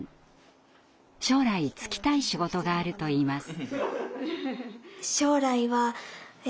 将来就きたい仕事があるといいます。